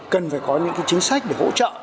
cần phải có những chính sách để hỗ trợ